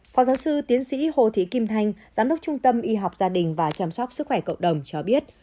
phó giáo sư tiến sĩ hồ thị kim thanh giám đốc trung tâm y học gia đình và chăm sóc sức khỏe cộng đồng cho biết